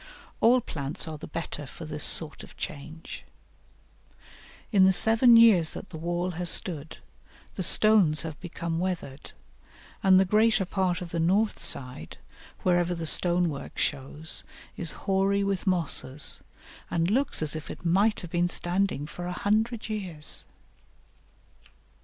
All plants are the better for this sort of change. In the seven years that the wall has stood, the stones have become weathered, and the greater part of the north side, wherever the stone work shows, is hoary with mosses, and looks as if it might have been standing for a hundred years.